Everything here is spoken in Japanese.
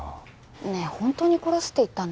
ねえほんとに殺すって言ったの？